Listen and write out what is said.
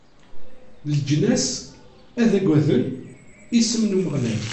Leǧnas ad aggaden isem n Umeɣlal.